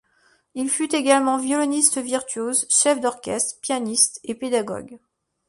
Il fut également violoniste virtuose, chef d'orchestre, pianiste et pédagogue.